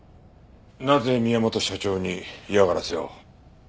なぜ宮本社長に嫌がらせを？